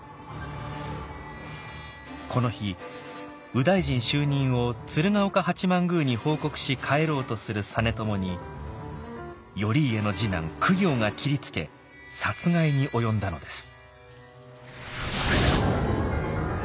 この日右大臣就任を鶴岡八幡宮に報告し帰ろうとする実朝に頼家の次男公暁が斬りつけ殺害に及んだのです。